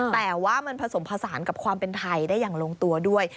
แต่ว่ามันผสมผสานกับความเป็นไทยได้อย่างลงตัวด้วย